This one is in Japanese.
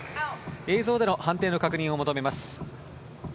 映像での判定の確認を求めます。